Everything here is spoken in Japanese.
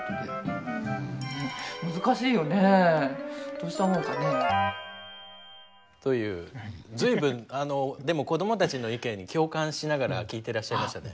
どうしたもんかねぇ。という随分あのでも子どもたちの意見に共感しながら聞いていらっしゃいましたね。